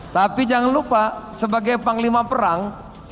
tapi jangan lupa sebagai panglima perang